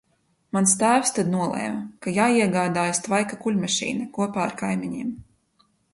Mans tēvs tad nolēma, ka jāiegādājas tvaika kuļmašīna kopā ar kaimiņiem.